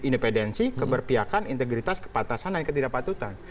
independensi keberpiakan integritas kepantasan dan ketidakpatutan